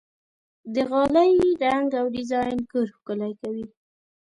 د غالۍ رنګ او ډیزاین کور ښکلی کوي.